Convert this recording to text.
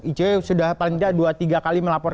icw sudah paling tidak dua tiga kali melapor